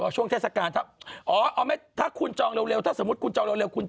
ช่วงเทศกาลครับอ๋อเอาไม่ถ้าคุณจองเร็วถ้าสมมติคุณจองเร็ว